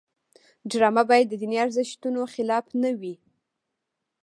ډرامه باید د دیني ارزښتونو خلاف نه وي